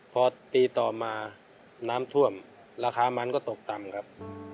พอตีต่อมาน้ำท่วมราคามันก็ตกต่ำครับ